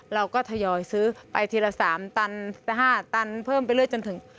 เราก็ทยอยซื้อไปทีละ๓ตัน๕ตันเพิ่มไปเรื่อยจนถึง